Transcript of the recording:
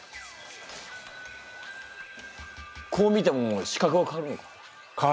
こう見ても視覚は変わるのか？